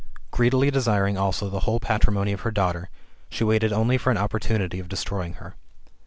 Greedily desiring also the patrimony of her daughter, she waited only for an opportunity of destroying her.